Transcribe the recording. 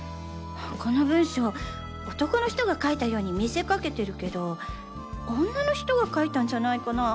この文章男の人が書いたように見せかけてるけど女の人が書いたんじゃないかな？